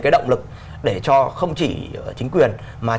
cái động lực để cho không chỉ chính quyền